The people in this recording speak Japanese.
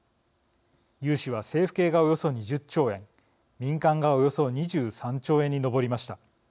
融資は政府系がおよそ２０兆円民間が、およそ２３兆円に上りました。